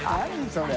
それ。